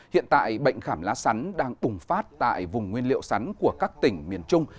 hiện tại bệnh khảm lá sắn đang bùng phát tại vùng nguyên liệu sắn của các tỉnh miền trung